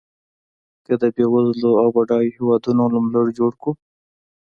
که د بېوزلو او بډایو هېوادونو نوملړ جوړ کړو.